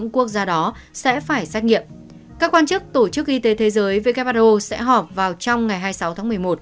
quốc gia đó sẽ phải xét nghiệm các quan chức tổ chức y tế thế giới vkpro sẽ họp vào trong ngày hai mươi sáu tháng một mươi một